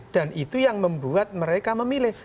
dan itu yang membuat mereka memilih